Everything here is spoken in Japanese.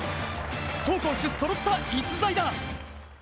走攻守そろった逸材だ。